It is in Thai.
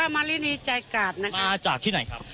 มาจากที่ไหนครับ